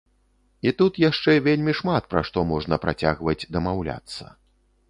І тут яшчэ вельмі шмат пра што можна працягваць дамаўляцца.